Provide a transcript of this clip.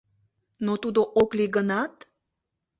Но тудо ок лий гынат...